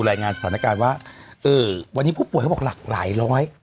รายงานสถานการณ์ว่าเออวันนี้ผู้ป่วยเขาบอกหลากหลายร้อย